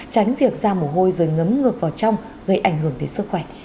tránh việc ra mồ hôi rồi ngấm ngược vào trong gây ảnh hưởng đến sức khỏe